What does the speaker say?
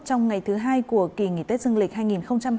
trong ngày thứ hai của kỳ nghỉ tết dương lịch hai nghìn hai mươi bốn